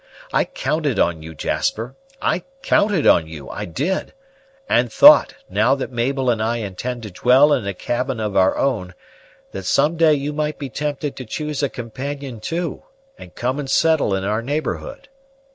I counted on you, Jasper, I counted on you, I did; and thought, now that Mabel and I intend to dwell in a cabin of our own, that some day you might be tempted to choose a companion too, and come and settle in our neighborhood.